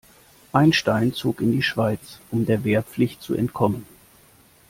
Einstein zog in die Schweiz, um der Wehrpflicht zu entkommen.